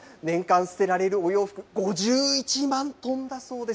年間捨てられるお洋服、５１万トンだそうです。